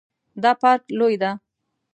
دا پارک لوی ده